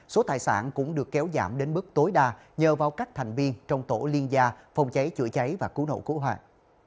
số tài sản cũng được kéo giảm đến bức tối đa nhờ vào các thành viên trong tổ liên gia phòng cháy chữa cháy và cứu nộ cố hoạt